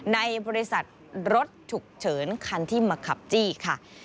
ในบริษัทรถฉุกเฉินคันที่มาขับจี้ค่ะ